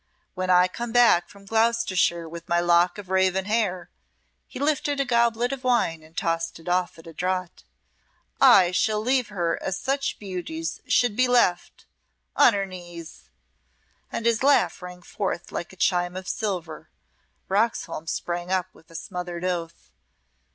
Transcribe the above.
When I come back from Gloucestershire with my lock of raven hair" he lifted a goblet of wine and tossed it off at a draught "I shall leave her as such beauties should be left on her knees." And his laugh rang forth like a chime of silver. Roxholm sprang up with a smothered oath.